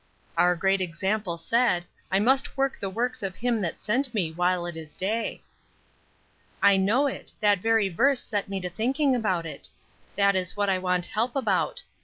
"Our great Example said; 'I must work the works of him that sent me while it is day.'" "I know it; that very verse set me to thinking about it. That is what I want help about.